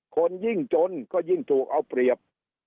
คนยิ่งจนก็ยิ่งถูกเอาเปรียบ